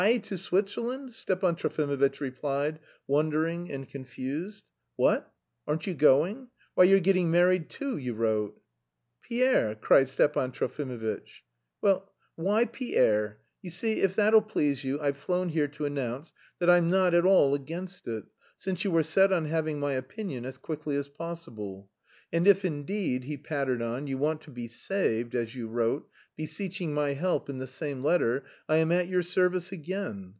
to Switzerland?" Stepan Trofimovitch replied, wondering and confused. "What? Aren't you going? Why you're getting married, too, you wrote?" "Pierre!" cried Stepan Trofimovitch. "Well, why Pierre?... You see, if that'll please you, I've flown here to announce that I'm not at all against it, since you were set on having my opinion as quickly as possible; and if, indeed," he pattered on, "you want to 'be saved,' as you wrote, beseeching my help in the same letter, I am at your service again.